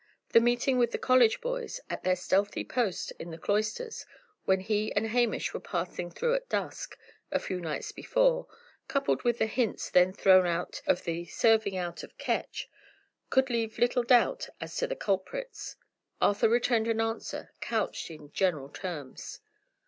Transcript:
The meeting with the college boys at their stealthy post in the cloisters, when he and Hamish were passing through at dusk, a few nights before, coupled with the hints then thrown out of the "serving out" of Ketch, could leave little doubt as to the culprits. Arthur returned an answer, couched in general terms.